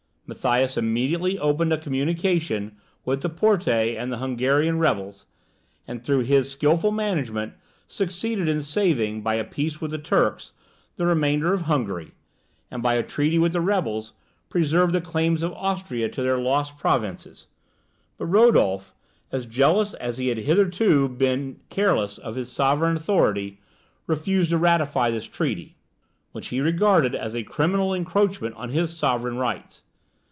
Matthias immediately opened a communication with the Porte and the Hungarian rebels, and through his skilful management succeeded in saving, by a peace with the Turks, the remainder of Hungary, and by a treaty with the rebels, preserved the claims of Austria to the lost provinces. But Rodolph, as jealous as he had hitherto been careless of his sovereign authority, refused to ratify this treaty, which he regarded as a criminal encroachment on his sovereign rights.